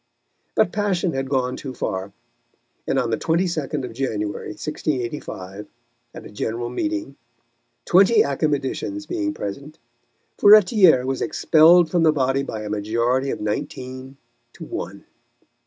But passion had gone too far, and on the 22nd of January, 1685, at a general meeting, twenty Academicians being present, Furetière was expelled from the body by a majority of nineteen to one.